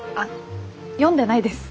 読んでないです。